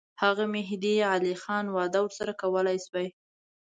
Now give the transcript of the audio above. هغه مهدي علي خان وعده ورسره کولای سوای.